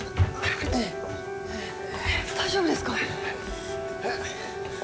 大丈夫ですか！？